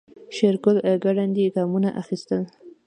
شېرګل ګړندي ګامونه اخيستل.